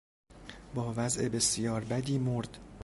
با وضع بسیار بدی مرد.